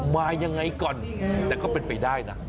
มายังไงก่อนแต่ก็เป็นไปได้นะ